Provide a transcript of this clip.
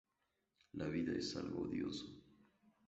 La vida es algo odioso.